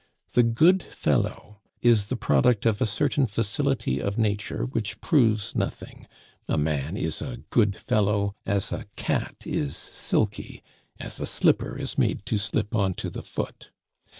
The "good fellow" is the product of a certain facility of nature which proves nothing. A man is a good fellow, as a cat is silky, as a slipper is made to slip on to the foot.